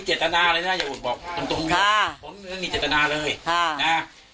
จิตนาเลยนะอย่าอุ่นบอกตรงตรงเนี้ยค่ะผมไม่มีจิตนาเลยค่ะนะ